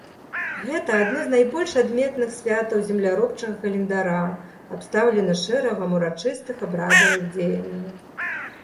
Гэта адно з найбольш адметных святаў земляробчага календара, абстаўлена шэрагам урачыстых абрадавых дзеянняў.